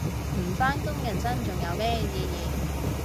唔返工人生仲有咩意義